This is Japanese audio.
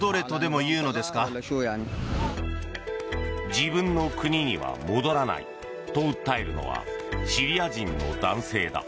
自分の国には戻らないと訴えるのは、シリア人の男性だ。